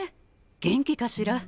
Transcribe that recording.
元気かしら。